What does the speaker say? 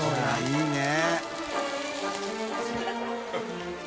△いいね。